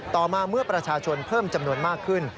ต่อมาเมื่อประชาชนเพิ่มจำนวนมากขึ้น